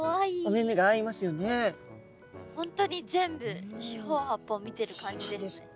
本当に全部四方八方見てる感じですね。